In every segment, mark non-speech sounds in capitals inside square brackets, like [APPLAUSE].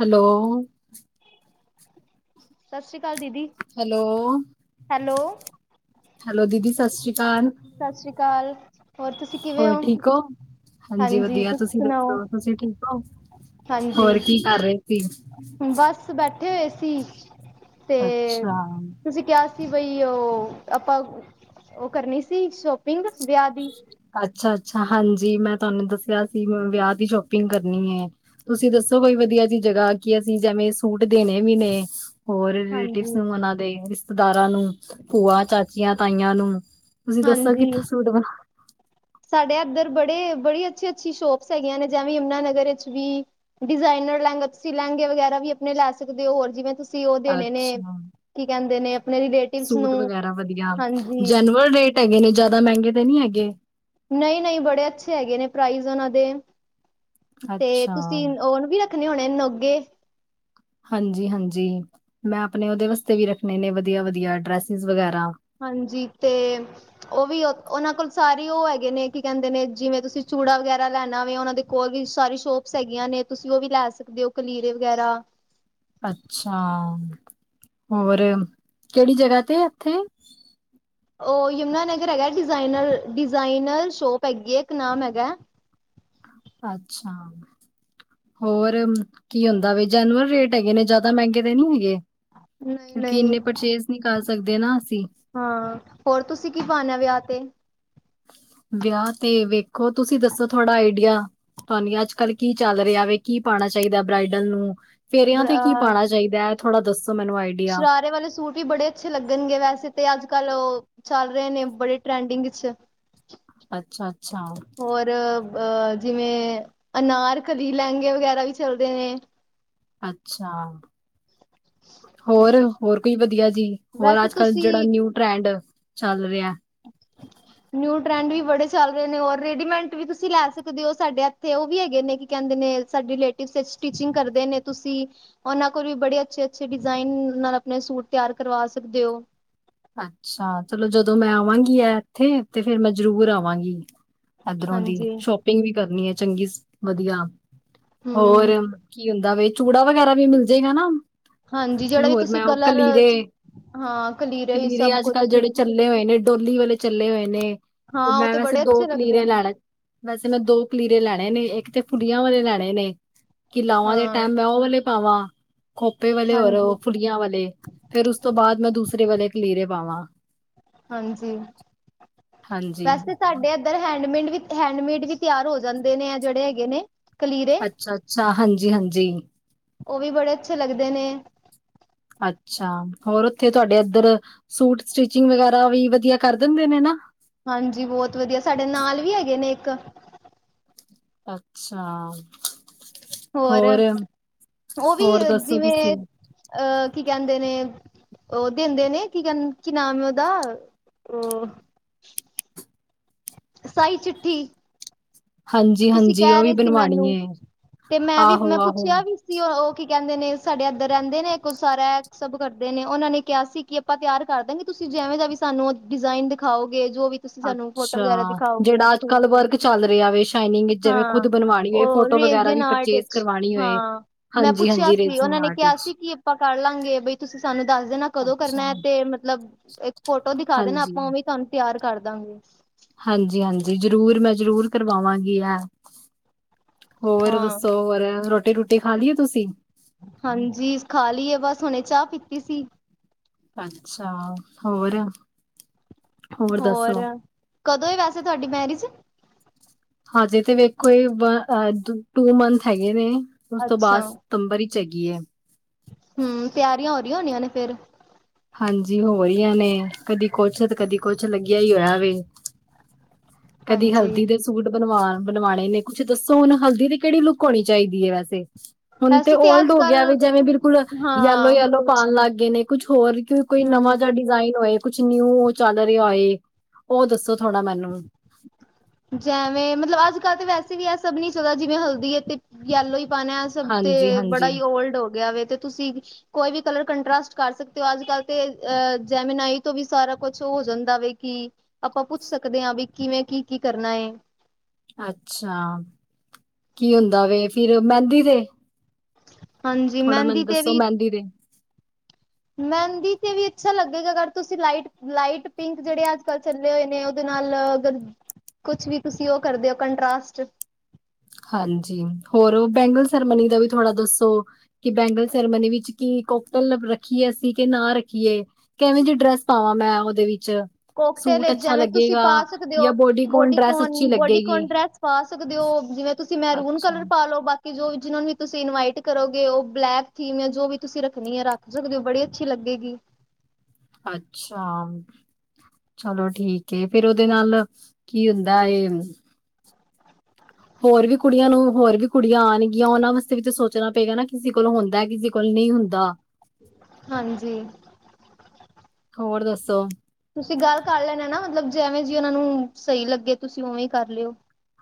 Hello. ਸਤਿ ਸ਼੍ਰੀ ਅਕਾਲ ਦੀਦੀ। Hello hello. ਹੈਲੋ ਦੀਦੀ ਸਤਿ ਸ੍ਰੀ ਅਕਾਲ। ਸਤਿ ਸ੍ਰੀ ਅਕਾਲ ਹੋਰ ਤੁਸੀਂ ਹੋਰ ਠੀਕ ਹੋ ਹਾਂਜੀ ਵਧੀਆ ਤੁਸੀਂ ਦੱਸੋ ਤੁਸੀਂ ਠੀਕ ਹੋ। ਹਾਂਜ ਹੋਰ ਕੀ ਕਰ ਰਹੇ ਸੀ। ਬਸ ਬੈਠੇ ਹੋਏ ਸੀ ਤੇ ਅੱਛਾ। ਤੁਸੀਂ ਕਿਹਾ ਸੀ ਬਈ ਉਹ, ਆਪਾਂ, ਉਹ ਕਰਨੀ ਸੀ, ਸ਼ੋਪਿੰਗ ਵਿਆਹ ਦੀ। ਅੱਛਾ ਅੱਛਾ, ਹਾਂਜੀ। ਮੈਂ ਤੁਹਾਨੂੰ ਦੱਸਿਆ ਸੀ ਵਿਆਹ ਦੀ ਸ਼ੋਪਿੰਗ ਕਰਨੀ ਐ। ਤੁਸੀਂ ਦੱਸੋ ਕੋਈ ਵਧੀਆ ਜਿਹੀ ਜਗ੍ਹਾ ਕਿ ਅਸੀਂ ਜਿਵੇਂ ਸੂਟ ਦੇਣੇ ਵੀ ਨੇਂ। ਹੋਰ ਰਿਲੇਟਿਵਸ ਹਾਂਜੀ। ਨੂੰ ਉਹਨਾਂ ਦੇ, ਰਿਸ਼ਤੇਦਾਰਾਂ ਨੂੰ, ਭੂਆ, ਚਾਚੀਆਂ, ਤਾਈਆਂ ਨੂੰ। ਤੁਸੀਂ ਦੱਸੋ ਹਾਂਜੀ। ਕਿੱਥੋ ਸੂਟ ਬਣਾ ਸਾਡੇ ਇੱਧਰ ਬੜੇ, ਬੜੀ ਅੱਛੀ ਅੱਛੀ ਸ਼ੋਪਸ ਹੈਗੀਆਂ ਨੇਂ, ਜਿਵੇਂ ਯਮੁਨਾਨਗਰ ਇੱਚ ਵੀ ਡਿਜ਼ਾਇਨਰ ਲਹਿਂਗੇ, ਤੁਸੀ ਲਹਿੰਗੇ ਵਗੈਰਾ ਵੀ ਆਪਣੇ ਲੈ ਸਕਦੇ ਔਂ, ਹੋਰ ਜਿਵੇਂ ਤੁਸੀਂ ਉਹ ਦੇਣੇ ਨੇਂ ਅੱਛਾ ਕੀ ਕਹਿੰਦੇ ਨੇਂ ਆਪਣੇ ਰੇਲਟਿਵਸ ਸੂਟ ਨੂੰ ਵਗੈਰਾ ਵਧੀਆ ਹਾਂਜੀ। ਜੈਨੂਅਲ ਰੇਟ ਹੈਗੇ ਨੇਂ, ਜ਼ਿਆਦਾ ਮਹਿੰਗੇ ਤੇ ਨਹੀਂ ਹੈਗੇ। ਨਈਂ, ਨਈਂ, ਬੜੇ ਅੱਛੇ ਹੈਗੇ ਨੇਂ ਪ੍ਰਾਈਜ਼ ਉਹਨਾਂ ਦੇ, ਤੇ ਅੱਛਾ, ਤੁਸੀਂ ਉਹਨ ਵੀ ਰਖ ਖਣੇ ਹੋਣੇ ਨੋਗੇ। ਹਾਂਜੀ ਹਾਂਜੀ, ਮੈਂ ਆਪਣੇ ਉਹਦੇ ਵਾਸਤੇ ਵੀ ਰੱਖਣੇ ਨੇਂ ਵਧੀਆ-ਵਧੀਆ ਡਰੈਸਿਸ ਵਗੈਰਾ। ਹਾਂਜੀ ਤੇ ਉਹ ਵੀ ਉਹ ਉਹਨਾਂ ਕੋਲ ਸਾਰੇ ਉਹ ਹੈਗੇ ਨੇਂ, ਕੀ ਕਹਿੰਦੇ ਨੇਂ ਜਿਵੇਂ ਤੁਸੀਂ ਚੂੜਾ ਵਗੈਰਾ ਲੈਣਾ ਵੇ ਉਹਨਾਂ ਦੇ ਕੋਲ ਵੀ ਸਾਰੇ ਸ਼ੋਪਸ ਹੈਗੀਆਂ ਨੇਂ, ਤੁਸੀਂ ਉਹ ਵੀ ਲੈ ਸਕਦੇ ਹੋ ਕਲੀਰੇ ਵਗੈਰਾ। ਅੱਛਾ। ਹੋਰ ਕਿਹੜੀ ਜਗ੍ਹਾ ਤੇ ਇੱਥੇ? ਉਹ ਯਮੁਨਾ ਨਗਰ ਹੈਗਾ, ਡਿਜ਼ਾਇਨਰ, ਡਿਜ਼ਾਇਨਰ ਸ਼ੋਪ ਹੈਗੀ ਐ ਇੱਕ ਨਾਮ ਹੈਗਾ। ਅੱਛਾ। ਹੋਰ ਕੀ ਹੁੰਦਾ ਵੀ, ਜੈਨੂਅਨ ਰੇਟ ਹੈਗੇ ਨੇਂ, ਜਿਆਦਾ ਮਹਿੰਗੇ ਤੇ ਨਹੀਂ ਹੈਗੇ? ਨਹੀਂ ਕਿਉਂਕਿ ਨਹੀਂ ਇੰਨੇ ਪਰਚੇਸ ਨਈਂ ਕਰ ਸਕਦੇ ਨਾਂ ਅਸੀਂ। ਹਾਂ, ਹੋਰ ਤੁਸੀਂ ਕੀ ਪਾਉਣਾ ਆ ਵਿਆਹ ਤੇ? ਵਿਆਹ ਤੇ ਵੇਖੋ, ਤੁਸੀਂ ਦੱਸੋ ਥੋੜਾ ਆਈਡੀਆ। ਤੁਹਾਨੂੰ ਅੱਜ-ਕੱਲ ਕੀ ਚੱਲ ਰਿਹਾ ਵੇ, ਕੀ ਪਾਉਣਾ ਚਾਹੀਦਾ ਬਰਾਾਈਡਲ ਨੂੰ। ਫੇਰਿਆਂ ਤੇ ਕੀ ਪਾਉਣਾ ਚਾਹੀਦਾ ਐ। ਇਹ ਥੋੜ੍ਹਾ ਦੱਸੋ ਮੈਨੂੰ ਆਈਡੀਆ। ਹਰੇ ਵਾਲੇ ਸੂਟ। ਵੀ ਬੜੇ ਅੱਛੇ ਲੱਗਣਗੇ ਵੈਸੇ ਤੇ ਅੱਜ-ਕੱਲ ਉਹ ਚੱਲ ਰਹੇ ਨੇਂ, ਬੜੇ ਟਰੈਂਡਿੰਗ ਚ। ਅੱਛਾ ਅੱਛਾ। ਅ ਹੋਰ ਅਹ ਬ ਜਿਵੇਂ, ਅਨਾਰ ਕਲੀ ਲਹਿੰਗੇ ਵਗੈਰਾ ਵੀ ਚਲਦੇ ਨੇਂ। ਅੱਛਾ। ਹੋਰ ਹੋਰ ਕੋਈ ਵਧੀਆ ਜੀ, ਹੋਰ ਵੈਸੇ ਅੱਜ-ਕੱਲ੍ਹ ਤੁਸੀਂ ਜਿਹੜਾ ਨਿਊ ਟ੍ਰੈਂਡ ਚੱਲ ਰਿਐ। ਨਿਊ ਟਰੈਂਡ ਵੀ ਬੜੇ ਚੱਲ ਰਹੇ ਨੇਂ ਔਰ ਰੇਡੀਮੇਟ ਵੀ ਤੁਸੀਂ ਲੈ ਸਕਦੇ ਹੋ। ਸਾਡੇ ਹੱਥੇ ਉਹ ਵੀ ਹੈਗੇ ਨੇ ਕੀ ਕਹਿੰਦੇ ਨੇਂ ਸਾਡੇ ਰਿਲੇਟਿਵ ਵਿੱਚ ਸਟੀਚਿੰਗ ਕਰਦੇ ਨੇਂ ਤੁਸੀਂ। ਉਹਨਾਂ ਕੋਲ ਵੀ ਬੜੇ ਅੱਛੇ-ਅੱਛੇ ਡਿਜ਼ਾਇਨ ਨਾਲ ਆਪਣੇ ਸੂਟ ਤਿਆਰ ਕਰਵਾ ਸਕਦੇ ਹੋ। ਅੱਛਾ ਚਲੋ ਜਦੋਂ ਮੈਂ ਆਵਾਂਗੀ ਆ ਇੱਥੇ ਤੇ ਫੇਰ ਮੈਂ ਜਰੂਰ ਆਵਾਂਗੀ। ਇਧਰੋਂ ਦੀ, ਹਾਂਜੀ ਸ਼ੋਪਿੰਗ ਵੀ ਕਰਨੀ ਐ, ਚੰਗੀ ਵਧੀਆ। ਹੋਰ ਹੂੰ ਕੀ ਹੁੰਦਾ ਵੇ? ਚੂੜਾ ਵਗੈਰਾ। ਵੀ ਮਿਲ ਜੇਗਾ ਨਾਂ? ਹਾਂਜੀ ਤੇ ਜਿਹੜਾ ਵੀ ਹੋਰ ਤੁਸੀਂ ਮੈਂ ਉਹ ਕਲਰ ਕਲੀਰੇ। ਹਾਂ, ਕਲੀਰੇ ਵੀ ਸਭ ਅੱਜ ਕੱਲ ਕੁਛ। ਜਿਹੜੇ ਚੱਲੇ ਹੋਏ ਨੇਂ ਡੋਲੀ ਵਾਲੇ ਚੱਲੇ ਹੋਏ ਨੇਂ ਹਾਂ ਤੇ ਉਹ ਮੈਂ ਵੈਸੇ ਬੜੇ ਦੋ ਅੱਛੇ ਲੱਗਦੇ ਕਲੀਰੇ ਨੇ ਲੈਲੇ। ਵੈਸੇ ਮੈਂ ਦੋ ਕਲੀਰੇ ਲੈਣੇ ਨੇਂ, ਇੱਕ ਤੇ ਫੁੜੀਆਂ ਵਾਲੇ ਲੈਣੇ ਨੇਂ। ਕਿ ਲਾਵਾਂ ਦੇ ਹਾਂ ਟਾਈਮ ਮੈਂ ਉਹ ਵਾਲੇ ਪਾਵਾਂ, ਖੋਪੇ ਵਾਲੇ ਔਰ ਹਾਂਜੀ-ਹਾਂਜੀ ਫੁੜੀਆਂ ਵਾਲੇ। ਫੇਰ ਉਸ ਤੋਂ ਬਾਅਦ ਮੈਂ ਦੂਸਰੇ ਵਾਲੇ ਕਲੀਰੇ ਪਾਵਾਂ। ਹਾਂਜੀ ਹਾਂਜੀ ਵੈਸੇ ਸਾਡੇ ਇੱਧਰ ਹੈਂਡਮੇਡ ਵੀ ਹੈਂਡਮੇਡ ਵੀ ਤਿਆਰ ਹੋ ਜਾਂਦੇ ਨੇ ਆ ਜਿਹੜੇ ਹੈਗੇ ਨੇ। ਕਲੀਰੇ ਅੱਛਾ ਅੱਛਾ ਹਾਂਜੀ ਹਾਂਜੀ। ਉਹ ਵੀ ਬੜੇ ਅੱਛੇ ਲੱਗਦੇ ਨੇ। ਅੱਛਾ ਹੋਰ ਉੱਥੇ ਤੁਹਾਡੇ ਇਧਰ ਸੂਟ ਸਟਿਚਿੰਗ ਵਗੈਰਾ ਵੀ ਵਧੀਆ ਕਰ ਦਿੰਦੇ ਨੇ ਨਾ। ਹਾਂਜੀ ਬਹੁਤ ਵਧੀਆ ਸਾਡੇ ਨਾਲ ਵੀ ਹੈਗੇ ਨੇ ਇੱਕ। ਅੱਛਾ ਹੋਰ ਉਹ ਵੀ ਹੋਰ ਦੱਸੋ ਜਿਵੇਂ ਤੁਸੀਂ। ਅਹ ਕੀ ਕਹਿੰਦੇ ਨੇ। ਉਹ ਦਿੰਦੇ ਨੇਂ ਕੀ ਕਹਿੰਦੇ ਕੀ ਨਾਮ ਏ ਉਹਦਾ ਉਹ। ਸਾਈ ਚਿੱਠੀ। ਹਾਂਜੀ ਤੁਸੀਂ ਹਾਂਜੀ ਉਹ ਕਹਿ ਵੀ ਰਹੇ ਸੀ ਬਣਵਾਣੀ ਮੈਨੂੰ ਏ ਤੇ ਮੈਂ ਵੀ ਆਹੋ ਮੈਂ ਆਹੋ ਪੁੱਛਿਆ ਵੀ। ਤੁਸੀਂ ਉਹ ਕੀ ਕਹਿੰਦੇ ਨੇ ਸਾਡੇ ਏਧਰ ਰਹਿੰਦੇ ਨੇ ਇੱਕ ਸਰ ਉਹ ਇਹ ਸਭ ਕਰਦੇ ਨੇ ਉਹਨਾਂ ਨੇ ਕਿਹਾ ਸੀ ਕਿ। ਆਪਾਂ ਤਿਆਰ ਕਰ ਦਾਂਗੇ ਤੁਸੀਂ ਜਿਵੇਂ ਦਾ ਵੀ ਸਾਨੂੰ ਡਿਜ਼ਾਇਨ ਦਿਖਾਓਗੇ ਜੋ ਵੀ। ਤੁਸੀਂ ਸਾਨੂੰ ਫੋਟੋ ਅੱਛਾ ਵਗੈਰਾ ਦਿਖਾਓਗੇ ਜਿਹੜਾ ਅੱਜ ਕੱਲ ਵਰਕ ਚੱਲ ਰਿਹਾ ਵੇ। ਸ਼ਨਿੰਗ ਜਿਵੇਂ ਹਾਂ ਖੁਦ ਬਣਵਾਣੀ ਹੋ ਉਹ ਫੋਟੋ ਵਗੈਰਾ ਰੇਜ਼ਨ ਵੀ ਆਰਟ ਪਰਚੇਸ ਵਿੱਚ ਕਰਵਾਣੀ ਹੋਏ ਹਾਂ ਮੈਂ ਹਾਂਜੀ ਪੁੱਛਿਆ ਹਾਂਜੀ ਸੀ ਰੇਸਿੰਗ ਉਹਨਾਂ ਨੇ ਆਰਟ। ਕਿਹਾ ਵਿੱਚ ਸੀ ਕੀ ਆਪਾਂ ਕਰ ਲਾਂਗੇ ਬਈ ਤੁਸੀਂ ਸਾਨੂੰ ਦੱਸ ਦੇਣਾ ਕਦੋਂ ਅੱਛਾ ਕਰਨਾ ਹੈ ਤੇ ਮਤਲਬ। ਫੋਟੋ ਦਿਖਾ ਦੇਣਾ ਹਾਂਜੀ ਆਪਾਂ ਉਹ ਵੀ ਤੁਹਾਨੂੰ ਤਿਆਰ ਕਰ ਦਾਂਗੇ। ਹਾਂਜੀ ਹਾਂਜੀ ਜ਼ਰੂਰ ਮੈਂ ਜ਼ਰੂਰ ਕਰਵਾਵਾਂਗੀ ਇਹ। ਹੋਰ ਹਾਂ ਦੱਸੋ ਹੋਰ ਰੋਟੀ ਰੂਟੀ ਖਾ ਲਈਏ ਤੁਸੀਂ। ਹਾਂਜੀ ਖਾ ਲਈਏ ਬਸ ਹੁਣੇ ਚਾਹ ਪੀਤੀ ਸੀ। ਅੱਛਾ ਹੋਰ। ਹੋਰ ਕਦੋਂ ਆ ਵੈਸੇ ਤੁਹਾਡੀ ਮੈਰਿਜ। ਹਾਂਜੀ ਤੇ ਵੇਖੋ ਇਹ ਟੂ ਮੰਥ ਹੈਗੇ ਨੇ ਉਸ ਤੋਂ ਅੱਛਾ, ਬਾਅਦ। ਤੰਬਰੀ 'ਚ ਹੈਗੀ। ਹਮ ਤਿਆਰੀਆਂ ਹੋ ਰਹੀਆਂ ਹੋਣੀਆਂ ਨੇ ਫੇਰ ਹਾਂਜੀ ਹੋ ਰਹੀਆਂ ਨੇ ਕਦੀ ਕੁਛ ਤੇ ਕਦੀ ਕੁਛ ਲਗਿਆ ਹੀ ਹੋਇਆ ਵੇ ਕਦੀ ਹਾਂਜੀ, ਹਲਦੀ ਦੇ ਸੂਟ ਬਣਵਾ ਬਣਵਾਉਣੇ ਨੇ ਕੁਛ ਦਸੋ ਹੁਣ ਹਲਦੀ ਦੀ ਕਿਹੜੀ ਲੁਕ ਹੋਣੀ ਚਾਹੀਦੀ ਹੈ। ਵੈਸੇ- ਹੁਣ ਤੇ ਵੈਸੇ ਓਲਡ ਹੋ ਗਿਆ ਵੀ ਅੱਜ-ਕੱਲ੍ਹ ਜਿਵੇ ਬਿਲਕੁਲ ਯਲੋ- ਹਾਂ, ਯਲੋ- ਪਾਉਣ ਲਗ ਗਏ ਨੇ ਕੁਛ ਹੋਰ ਕਿ ਕੋਈ ਨਵਾ ਹੂੰ ਜਿਹਾ ਡਿਜ਼ਾਇਨ ਹੋਏ ਕੁਛ ਨਿਊ ਚਲ ਰਿਹਾ ਹੋਏ ਉਹ ਦਸੋ ਥੋੜਾ ਮੈਨੂੰ ਜੈਵੇ ਮਤਲਬ ਅਜ ਕਲ ਤਾਂ ਵੈਸੇ ਵੀ ਇਹ ਸਭ ਨੀ ਚਲਦਾ ਜਿਵੇ ਹਲਦੀ ਤੇ ਯਲੋ ਹੀ ਪਾਉਣਾ ਸਬ ਤੇ ਹਾਂਜੀ ਬੜਾ ਹਾਂਜੀ ਹੀ ਓਲਡ ਹੋ ਗਿਆ ਵ ਤੇ ਤੁਸੀ ਕੋਈ ਵੀ ਕਲਰ ਕੰਟਸਟ ਕਰ ਸਕਦੇ ਹੋ ਅਜ ਕਲ ਤੇ ਅ ਜੈਮਨਾਈ ਤੋ ਵੀ ਸਾਰਾ ਕੁਛ ਕੁਛ ਹੋ ਜਾਦਾ ਵ ਕਿ ਆਪਾਂ ਪੁਛ ਸਕਦੇ ਹਾਂ ਵੀ ਕਿਵੇ ਕੀ ਕੀ ਕਰਨਾ ਹੈ। ਅਛਾ ਕੀ ਹੁੰਦਾ ਵੇ ਫਿਰ ਮਹਿਦੀ ਤੇ ਹਾਂਜੀ ਮਹਿਦੀ ਤੇ ਵੀ ਦੀ ਦ [UNINTELLIGIBLE] ਮਹਿੰਦੀ ਤੇ ਵੀ ਅਛਾ ਲੱਗੇਗਾ ਅਗਰ ਤੁਸੀ ਲਾਈਟ ਲਾਈਟ ਪਿੰਕ ਜਿਹੜੇ ਅਜ ਕਲ ਚੱਲੇ ਹੋਏ ਨੇ ਉਹਦੇ ਨਾਲ ਅਗਰ ਕੁਛ ਵੀ ਤੁਸੀ ਉਹ ਕਰਦੇ ਹੋ ਕੰਟਾਸਟ ਹਾਂਜੀ ਹੋਰ ਬੈਗਲ ਸੈਰੇਮਨੀ ਦਾ ਵੀ ਥੋੜਾ ਦਸੋ ਕਿ ਬੈਂਗਲ ਸੈਰੇਮਨੀ ਵਿਚ ਕੀ ਕੋਕਤਲ ਰਖੀਏ ਅਸੀ ਕਿ ਨਾ ਰਖੀਏ ਕਿਵੇ ਦੀ ਡਰੈਸ ਪਾਵਾ ਮੈਂ ਉਹਦੇ ਵਿਚ- ਕੋਕਟੇ ਲਈ ਜਿਵੇ ਤੁਸੀ ਪਾ ਸਕਦੇ ਹੋ ਜਾਂ ਡਰੈਸ ਬੋਡੀਕੋਨ ਅੱਛੀ ਲੱਗੇਗੀ ਬੋਡੀਕੋਨ ਡੈਸ ਪਾ ਸਕਦੇ ਹੋ ਜਿਵੇ ਤੁਸੀ ਮੈਰੂਨ ਕਲਰ ਅੱਛਾ ਪਾਾਲਓ ਬਾਕੀ ਕਿ ਜੋ ਵੀ ਜਿਹਨਾਂ ਨੂੰ ਵੀ ਤੁਸੀ ਇਨਵਾਈਟ ਕਰੋਗੇ ਉਹ ਬਲੈਕ ਥੀਮ ਜੋ ਵੀ ਤੁਸੀ ਰਖਣੀ ਹੈ। ਰੱਖ ਸਕਦੇ ਹੋ ਬੜੀ ਅਛੀ ਲਗੇਗੀ ਅਛਾ- ਚਲੋ ਠੀਕ ਫੇਰ ਉਹਦੇ ਨਾਲ ਕੀ ਹੁੰਦਾ ਹੋਰ ਵੀ ਕੁੜੀਆਂ ਨੂੰ ਹੋਰ ਵੀ ਕੁੜੀਆਂ ਆਉਣਗੀਆਂ ਉਹਨਾਂ ਵਾਸਤੇ ਵੀ ਤਾਂ ਸੋਚਣਾ ਪਏਗਾ ਨਾ ਕਿਸੇ ਕੋਲੋ ਹੁੰਦਾ ਕਿ ਬਿਲ ਕੁਲ ਨਹੀ ਹੁੰਦਾ ਹਾਂਜੀ- ਹੋਰ ਦੱਸੋ- ਤੁਸੀ ਗੱਲ ਕਰ ਲੈਣੇ ਨਾ ਮਤਲਬ ਜੇ ਐਵੇਂ ਜੇ ਉਹਨਾ ਨੂੰ ਸਹੀ ਲਗੇ ਤੁਸੀ ਉਵੇ ਹੀ ਕਰ ਲਿਓ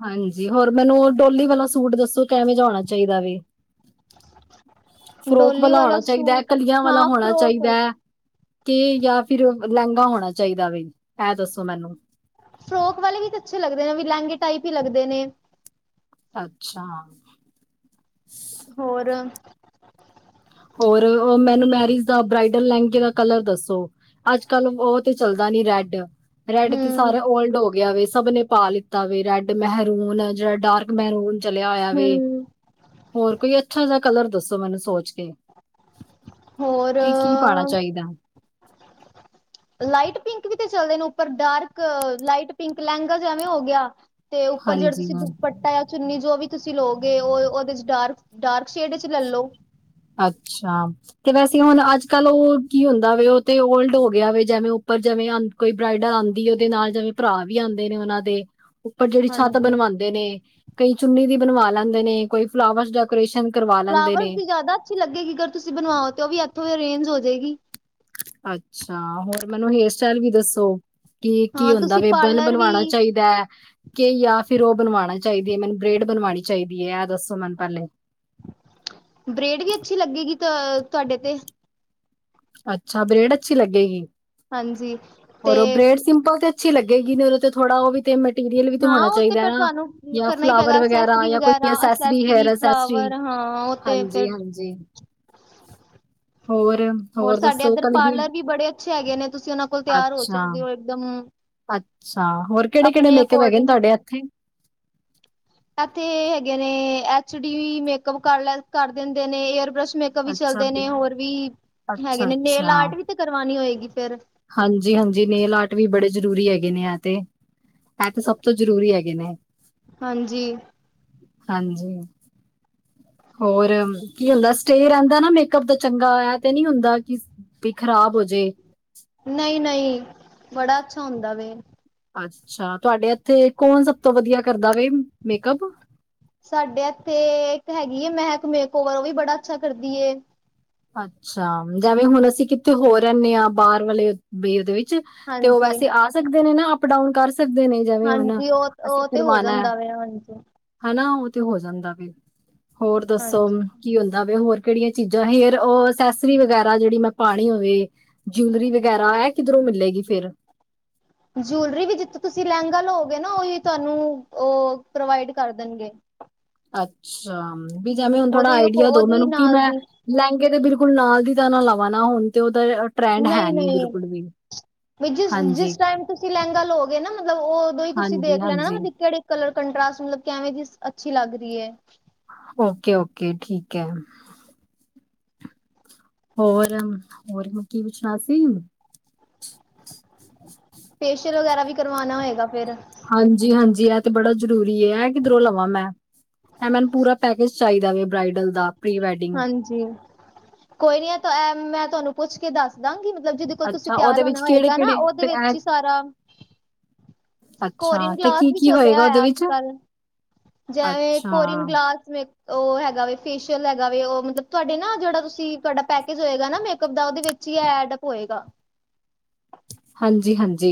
ਹਾਂਜੀ ਹੋਰ ਮੈਨੂੰ ਡੋਲੀ ਵਾਲਾ ਸੂਟ ਦਸੋ ਕੈਵੇਂ ਜਾ ਹੋਣਾ ਚਾਹੀਦਾ ਵੇ ਫਰੋਕ ਡੋਲੀ ਵਾਲਾ ਹੋਣਾ ਚਾਹੀਦਾ ਐ ਸੂਟ ਕਲੀਆਂ ਵਾਲਾ ਹਾਂ ਹੋਣਾ ਫਰੋਕ ਚਾਹੀਦਾ ਐ ਕੇ ਯਾ ਫਿਰ ਲਹਿੰਗਾ ਹੋਣਾ ਚਾਹੀਦਾ ਵੇ ਐਹ ਦਸੋ ਮੈਨੂੰ ਫਰੋਕ ਵਾਲੇ ਵੀ ਤਾਂ ਅਛੇ ਲਗਦੇ ਨੇ ਵੀ ਲਹਿੰਗੇ ਟਾਈਪ ਹੀ ਲੱਗਦੇ ਨੇ ਅਛਾ- ਹੋਰ- ਹੋਰ ਓ ਮੈਨੂੰ ਮੈਰਿਜ ਦਾ ਬ੍ਰਈਡਲ ਲਹਿੰਗੇ ਦਾ ਕਲਰ ਦਸੋ ਅਜ ਕਲ ਉਹ ਤੇ ਚੱਲਦਾ ਨੀ ਰੈਡ ਰੈਡ ਤੇ ਹੂੰ ਸਾਰਾ ਓਲਡ ਹੋ ਗਿਆ ਵੇ ਸਭ ਨੇ ਪਾ ਲ ਤਾ ਵੀ ਰੈਡ ਮਹਿਰੂਨ ਜਿਹੜਾ ਡਾਰਕ ਮਹਿਰੂਨ ਚਲਿਆ ਹੋਇਆ ਵੇ ਹੂੰ ਹੋਰ ਕੋਈ ਅਛਾ ਜਿਹਾ ਕਲਰ ਦਸੋ ਮੈਨੂੰ ਸੋਚ ਕੇ ਹੋਰ ਕੀ ਕੀ ਪਾਣਾ ਚਾਹੀਦਾ ਲਾਈਟ ਪਿੰਕ ਵੀ ਤੇ ਚੱਲਦੇ ਨੇ ਉਪਰ ਡਾਰਕ ਲਾਈਟ ਪਿੰਕ ਲਹਿੰਗਾ ਜੈਵੇਂ ਹੋ ਗਿਆ ਤੇ ਉਪਰ ਜਿਹੜਾ ਹਾਂਜੀ ਤੁਸੀ ਹਾਂ ਦੁਪੱਟਾ ਜਾਂ ਚੁੰਨੀ ਜੋ ਵੀ ਤੁਸੀ ਲਓਗੇ ਉਹ ਉਹਦੇ 'ਚ ਡਾਰਕ ਡਾਰਕ ਸ਼ੇਡ 'ਚ ਲੈ ਲੋ ਅੱਛਾ ਤੇ ਵੈਸੇ ਹੁਣ ਅਜ ਕਲ ਉਹ ਕੀ ਹੁੰਦਾ ਵੇ ਉਹ ਤੇ ਓਲਡ ਹੋ ਗਿਆ ਵੇ ਜੈਵੈਂ ਉਪਰ ਜੈਵੈਂ ਕੋਈ ਬਰਾਈਡਲ ਆਂਦੀ ਉਹਦੇ ਨਾਲ ਜਵੇ ਭਰਾ ਵੀ ਆਂਦੇ ਨੇ ਉਹਨਾ ਦੇ ਪਰ ਜਿਹੜੀ ਛਤ ਬਣ ਹਾਂਜੀ ਬਣਵਾਂਦੇ ਨੇ ਕਈ ਚੁੰਨੀ ਦੀ ਬਣਵਾ ਲੈਂਦੇ ਨੇ ਕੋਈ ਫਲਾਵਰ ਡੈਕੋਰੇਸ਼ਨ ਕਰਵਾ ਲੈਂਦੇ ਫਲਾਵਰਸ ਨੇ ਦੀ ਜ਼ਿਆਦਾ ਅਛੀ ਲਗੇਗੀ ਅਗਰ ਤੁਸੀ ਬਣਵਾਓ ਤੇ ਉਹ ਵੀ ਇਥੋਂ ਅਰੇਂਜ ਹੋ ਜੇਗੀ ਅਛਾ ਹੋਰ ਮੈਨੂੰ ਹੇਅਰ ਸਟਾਈਲ ਵੀ ਦਸੋ ਕੀ ਕੀ ਹਾਂ ਹੁੰਦਾ ਤੁਸੀਂ ਵੇ ਬਨ ਪਾਰਲਰ ਵੀ ਬਣਵਾਣਾ ਚਾਈਦਾ ਐ ਕੇ ਯਾ ਫਿਰ ਉ ਬਣਵਾਣਾ ਚਾਹੀਦੀ ਹੈ ਮੈਨੂੰ ਗ੍ਰੇਡ ਬਣਵਾਣੀ ਚਾਈਦੀ ਐਂ? ਇਹ ਦੱਸੋ ਮੈੰਨ ਪੈਲੇ ਬ੍ਰੇਡ ਵੀ ਅੱਛੀ ਲੱਗੇਗੀ ਤ ਤੁਹਾਡੇ ਤੇ ਅੱਛਾ ਬ੍ਰੇਡ ਅੱਛੀ ਲੱਗੇਗੀ ਹਾਂਜੀ। ਤੇ ਔਰ ਓ ਬ੍ਰੈਡ ਸਿੰਪਲ ਤੇ ਅੱਛੀ ਲੱਗੇਗੀ ਨੀ ਓਦੇ ਤੇ ਥੋੜਾ ਉਵੀ ਤੇ ਮ ਰੀਅਲ ਵੀ ਤੇ ਹਾਂ ਹੋਣਾ ਉਹ ਚਾਈਦਾ ਫਿਰ ਨਾ ਤੁਹਾਨੂੰ ਯਾ ਕਰਨਾ ਹੀ ਫਲਾਵਰ ਪਏਗਾ ਵਗੈਰਾ ਅਸੈਸਰੀ ਯਾ ਵਗੈਰਾ accessory, hair accessory accessory flower ਹਾਂ ਉਹ ਤੇ ਹਾਂਜੀ ਫਿਰ ਹਾਂਜੀ ਹੋਰ ਹੋਰ ਸਾਡੇ ਦੱਸੋ ਇੱਦਰ ਕਲਗੀ ਪਾਰਲਰ ਵੀ ਬੜੇ ਅੱਛੇ ਹੈਗੇ ਨੇ ਤੁਸੀਂ ਉਨਾਂ ਕੋਲ ਤਿਆਰ ਹੋ ਅੱਛਾ ਸਕਦੇ ਓ ਇੱਕਦਮ ਅੱਛਾ ਹੋਰ ਕੇੜੇ ਕੇੜੇ ਆਪਣੇ ਮੇਕਅੱਪ ਹੈਗੇ ਨੇ ਅਕੋਰਡਿੰਗ ਤੁਹਾਡੇ ਐਥੇ? ਏਥੇ ਹੈਗੇ ਨੇ ਐਚ ਡੀ ਵੀ ਮੇਕਪ ਕਰ ਲੈ ਕਰ ਦੇਂਦੇ ਨੇ, ਏਅਰ ਬ੍ਰਸ਼ ਮੇਕ ਕਵੀ ਅੱਛਾ ਚੱਲਦੇ ਬੀ ਨੇ ਹੋਰ ਵੀ ਹੈਗੇ ਅੱਛਾ ਨੇ, ਨੇਲ ਆਰਟ ਵੀ ਤੇ ਕਰਵਾਣੀ ਹੋਏਗੀ ਫੇਰ? ਹਾਂਜੀ-ਹਾਂਜੀ ਨੇਲ ਆਰਟ ਵੀ ਬੜੇ ਜ਼ਰੂਰੀ ਹੈਗੇ ਨੇ ਐ ਤੇ ਐ ਤੇ ਸਭ ਤੋਂ ਜ਼ਰੂਰੀ ਹੈਗੇ ਨੇ ਹਾਂਜੀ ਹਾਂਜੀ ਹੋਰ ਕੀ ਹੁੰਦਾ ਸਟੇ ਰਹਿੰਦਾ ਨਾ ਮੇਕਅਪ ਦਾ ਚੰਗਾ ਏ ਤੇ ਨੀ ਹੁੰਦਾ ਕਿ ਵੀ ਖ਼ਰਾਬ ਹੋਜੇ ਨਹੀਂ ਨਹੀਂ ਬੜਾ ਅੱਛਾ ਹੁੰਦਾ ਵੇ ਅੱਛਾ ਤੁਆਡੇ ਏਥੇ ਕੌਣ ਸਭ ਤੋਂ ਵਧੀਆ ਕਰਦਾ ਵੇ ਮੇਕਅੱਪ? ਸਾਡੇ ਐਥੇ ਇੱਕ ਹੈਗੀ ਏ ਮਹਿਕ ਮੇਕਓਵਰ ਉਹ ਵੀ ਬੜਾ ਅੱਛਾ ਕਰਦੀ ਏ। ਅੱਛਾ ਜੈਵੇਂ ਹੁਣ ਅਸੀਂ ਕਿੱਥੇ ਹੋਰ ਰੇਂਨੇ ਆ ਬਾਰ ਵਾਲੇ ਬੇਦੇ [UNINTELLIGIBLE] ਵਿੱਚ ਤੇ ਉ ਹਾਂਜੀ ਵੈਸੇ ਆ ਸਕਦੇ ਨੇ ਨਾ ਅਪ ਡਾਊਨ ਕਰ ਸਕਦੇ ਨੇ? ਜੇਵੇਂ ਹੁਨ ਹਾਂਜੀ ਉਹ ਅਸੀਂ ਉਹ ਤੇ ਹੋ ਕਰਵਾਨਾ ਐ ਜਾਂਦਾ ਵੇ ਹਾਂਜੀ ਹਨਾ ਉ ਤੇ ਹੋ ਜਾਂਦਾ ਵੇ ਹੋਰ ਦੱਸੋ ਹਾਂਜੀ ਕੀ ਹੁੰਦਾ ਵੇ? ਹੋਰ ਕੇੜੀਆਂ ਚੀਜ਼ਾਂ ਹੇਅਰ ਤੇ ਉ ਅਸੈਸਰੀ ਵਗੈਰਾ ਜੇੜੀ ਮੈਂ ਪਾਣੀ ਹੋਵੇ, ਜੁਲਰੀ ਵਗੈਰਾ ਏ ਕਿਦਰੋਂ ਮਿਲੇਗੀ ਫੇਰ? ਜੂਲਰੀ ਵੀ ਜਿੱਥ ਤੁਸੀਂ ਲੇਂਗਾ ਲੋਗੇ ਨਾ ਓਹੀ ਤੁਆਨੂੰ ਉ ਪ੍ਰੋਵਾਈਡ ਕਰ ਦੇਣਗੇ। ਅੱਛਾ ਵੀ ਜੇਵੇਂ ਹੁਣ ਥੋੜਾ ਉਹਦੇ ਆਈਡੀਆ ਦੋ ਉਹਦੇ ਮੈਨੂੰ ਕਿ ਨਾਲ ਮੈਂ ਦੀ ਲਹਿੰਗੇ ਤੇ ਬਿਲਕੁਲ ਨਾਲ ਦੀ ਤਾਂ ਨਾ ਲਵਾ ਨਾ ਹੁਣ ਤੇ ਉਦਾ ਟ੍ਰੈਂਡ ਹੈ ਨੀ ਬਿਲਕੁਲ ਵੀ ਵਈ ਜਿਸ ਜਿਸ ਹਾਂਜੀ, ਟਾਈਮ ਤੁਸੀਂ ਲੇਂਗਾ ਲਓਗੇ ਨਾ ਮਤਲਬ ਉਦੋਂ ਹੀ ਤੁਸੀਂ ਹਾਂਜੀ, ਦੇਖ ਲੈਣਾ ਨਾ ਹਾਂਜੀ, ਮਤਲਬ ਕੇੜੇ ਕਲਰ ਕੰਟਾਸ ਮਤਲਬ ਕੈਵੇਂ ਦੀ ਅੱਛੀ ਲੱਗ ਰੀ ਏ। ਓਕੇ-ਓਕੇ ਠੀਕ ਐ। ਹੋਰ-ਹੋਰ ਮੈਂ ਕੀ ਪੁੱਛਨਾ ਸੀ ਫੇਸ਼ੀਅਲ ਵਗੈਰਾ ਵੀ ਕਰਵਾਨਾ ਹੋਏਗਾ ਫਿਰ? ਹਾਂਜੀ-ਹਾਂਜੀ ਐ ਤੇ ਬੜਾ ਜ਼ਰੂਰੀ ਏ ਐ ਕਿਦਰੋਂ ਲਵਾਂ ਮੈਂ। ਐ ਮੈਂਨ ਪੂਰਾ ਪੈਕੇਜ ਚਾਹੀਦਾ ਵੇ ਬਰਾਈਡਲ ਦਾ ਪ੍ਰੀ ਵੈਡਿੰਗ ਹਾਂਜੀ ਕੋਈ ਨੀ ਐ ਤੇ ਮੈਂ ਤੁਆਨੂੰ ਪੁੱਛ ਕੇ ਦੱਸ ਦਾਂਗੀ ਮਤਲਬ ਜਿਦੇ ਕੋਲ ਤੁਸੀਂ ਅੱਛਾ, ਤਿਆਰ ਓਦੇ ਹੋਨਾ ਵਿੱਚ ਹੋਏਗਾ ਨਾ ਕੇੜੇ-ਕੇੜੇ ਉਦੇ ਤੇ ਐ ਵਿੱਚ ਹੀ ਸਾਰਾ ਅੱਛਾ, ਕੋਰੀਨ ਤੇ ਗਲਾਸ ਵੀ ਕੀ-ਕੀ ਚੱਲ ਦੇਆ ਹੋਏਗਾ ਓਦੇ ਆ ਅੱਜ ਵਿੱਚ? ਕੱਲ ਜੇਵੇਂ ਅੱਛਾ, ਕੋਰੀਨ ਗਲਾਸ ਵੇਖ ਉ ਹੈਗਾ ਵੇ ਫੇਸ਼ੀਅਲ ਹੈਗਾ ਵੇ ਉ ਮਤਲਬ ਤੁਹਾਡੇ ਨਾ ਜੇੜਾ ਤੁਸੀਂ ਤੁਹਾਡਾ ਪੈਕੇਜ ਹੋਏਗਾ ਨਾ ਮੇਕਅਪ ਦਾ ਓਦੇ ਵਿੱਚ ਹੀ ਐਡਅਪ ਹੋਏਗਾ। ਹਾਂਜੀ-ਹਾਂਜੀ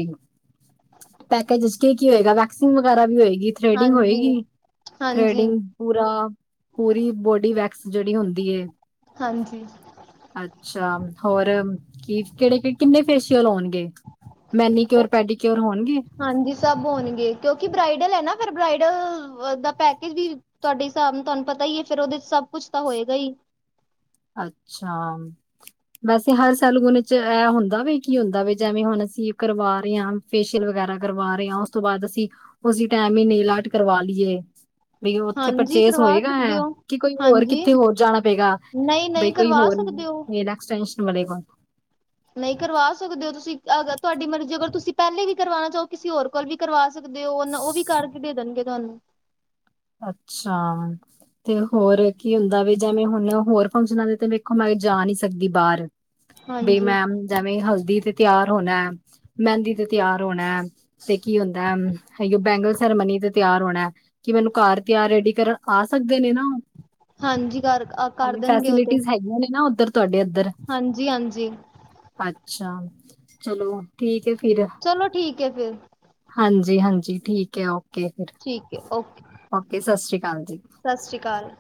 ਪੈਕੇਜ ਚ ਕੀ ਕੀ ਹੋਏਗਾ ਵੈਕਸਿੰਗ ਵਗੈਰਾ ਵੀ ਹੋਏਗੀ ਥ੍ਰੇਡਿੰਗ ਹਾਂਜੀ, ਹੋਏਗੀ ਹਾਂਜੀ, ਥ੍ਰੇਡਿੰਗ ਪੂਰਾ ਪੂਰੀ ਬੋਡੀ ਵੈਕਸ ਜੇੜੀ ਹੁੰਦੀ ਏ। ਹਾਂਜੀ। ਅੱਛਾ ਹੋਰ ਕੀ ਕੇੜੇ ਕਿ ਕਿੰਨੇ ਫੇਸ਼ੀਅਲ ਹੋਨਗੇ ਮੈਨੀ ਕਿਓਰ ਪੈਡੀਕਓਰ ਹੋਨਗੇ ਹਾਂਜੀ ਸਭ ਹੋਨਗੇ ਕਿਉਂਕਿ ਬ੍ਰਈਡਲ ਐ ਨਾ ਫਿਰ ਬ੍ਰਾਈਡਲ ਦਾ ਪੈਕੇਜ ਵੀ ਤੁਆਡੇ ਹਿਸਾਬ ਨ ਤੁਆਨ ਪਤਾ ਈ ਏ ਫੇਰ ਉਦੇ ਚ ਸਭ ਕੁੱਛ ਤਾਂ ਹੋਏਗਾ ਈ। ਅੱਛਾ। ਵੈਸੇ ਹਰ ਸੈਲੂਨ ਚ ਇਹ ਹੁੰਦਾ ਵੇ ਕੀ ਹੁੰਦਾ ਵੇ, ਜੈਵੇ ਹੁਣ ਅਸੀਂ ਕਰਵਾ ਰਹੇ ਹਾਂ ਫੇਸ਼ੀਅਲ ਵਗੈਰਾ ਕਰਵਾ, ਰਹੇ ਹਾਂ ਉਸ ਤੋਂ ਬਾਦ ਅਸੀਂ ਉਸੀ ਟੈਮ ਹੀ ਨੇਲਾਟ ਕਰਵਾ ਲਈਏ। ਵੀ ਉੱਥੇ ਹਾਂਜੀ ਪਰਚੇਸ ਕਰਵਾ ਹੋਏਗਾ ਸਕਦੇ ਹੈ, ਹੋ। ਕਿ ਕੋਈ ਹੋਰ ਹਾਂਜੀ ਕਿੱਥੇ ਹੋਰ ਜਾਣਾ ਪਏਗਾ? ਨਹੀਂ, ਨਹੀਂ ਕੋਈ ਕਰਵਾ ਹੋਰ ਸਕਦੇ ਹੋ। ਨੇਲ ਐਕਸਟੈਨਸ਼ਨ ਵਾਲੇ, ਨਹੀਂ ਕਰਵਾ ਸਕਦੇ ਹੋ ਤੁਸੀਂ ਅਗਰ ਤੁਹਾਡੀ ਮਰਜ਼ੀ ਅਗਰ ਤੁਸੀਂ ਪਹਿਲੇ ਵੀ ਕਰਵਾਉਣਾ ਚਾਹੋ ਕਿਸੀ ਹੋਰ ਕੋਲ ਵੀ ਕਰਵਾ ਸਕਦੇ ਹੋ, ਉਹਨਾਂ ਉਹ ਵੀ ਕਰਕੇ ਦੇ ਦੇਣਗੇ ਤੁਹਾਨੂੰ। ਅੱਛਾ। ਤੇ ਹੋਰ ਕੀ ਹੁੰਦਾ ਵੇ, ਜਿਵੇਂ ਹੁਣ ਹੋਰ ਫੰਕਸ਼ਨਾਂ ਦੇ ਤੇ ਵੇਖੋ ਮੈਂ ਜਾ ਨਹੀਂ ਸਕਦੀ ਬਾਹਰ। ਬਈ ਹਾਂਜੀ ਮੈਮ ਜੈਵੇਂ ਹਲਦੀ ਤੇ ਤਿਆਰ ਹੋਨੈ, ਮਹਿੰਦੀ ਤੇ ਤਿਆਰ ਹੋਨਾ। ਤੇ ਕੀ ਹੁੰਦੈ ਬੈਂਗਲ ਸੈਰੇਮਨੀ ਤੇ ਤਿਆਰ ਹੋਨਾ, ਕਿ ਮੈਨੂੰ ਘਰ ਤਿਆਰ ਰੈਡੀ ਕਰਨ ਆ ਸਕਦੇ ਨੇ ਨਾ ਉਹ? ਹਾਂਜੀ ਕਰ ਕਰ ਦੇਣਗੇ ਉਹ ਤੇ ਹਫੈਸੀਲੀਟੀਜ ਹੈਗੀਆ ਨੇ ਨਾ ਓਦਰ ਤੁਹਾਡੇ ਓਦਰ? ਹਾਂਜੀ ਹਾਂਜੀ ਅੱਛਾ, ਚਲੋ ਠੀਕ ਹੈ ਚਲੋ ਠੀਕ ਹੈ ਫਿਰ। ਹਾਂਜੀ-ਹਾਂਜੀ ਠੀਕ ਹੈ, ਓਕੇ ਫਿਰ। ਠੀਕ ਹੈ ਓਕੇ। ਓਕੇ ਸਤਿ ਸ਼੍ਰੀ ਅਕਾਲ ਜੀ। ਸਸ ਸ੍ਰੀ ਕਾਲ।